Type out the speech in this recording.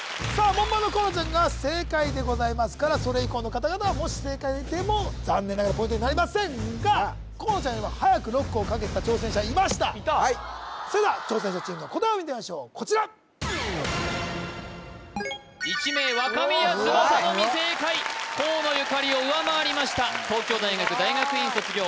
門番の河野ちゃんが正解でございますからそれ以降の方々はもし正解でも残念ながらポイントになりませんが河野ちゃんよりもはやくロックをかけてた挑戦者いましたそれでは挑戦者チームの答えを見てみましょうこちら１名若宮翼のみ正解河野ゆかりを上回りました東京大学大学院卒業